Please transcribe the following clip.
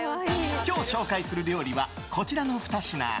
今日紹介する料理はこちらの２品。